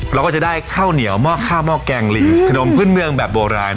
เราก็จะได้ข้าวเหนียวหม้อข้าวหม้อแกงหลีขนมพื้นเมืองแบบโบราณ